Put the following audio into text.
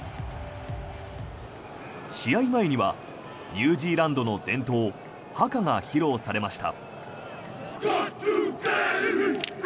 試合前にはニュージーランドの伝統、ハカが披露されました。